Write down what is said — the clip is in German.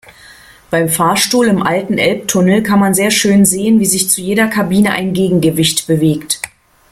Beim Fahrstuhl im alten Elbtunnel kann man sehr schön sehen, wie sich zu jeder Kabine ein Gegengewicht bewegt.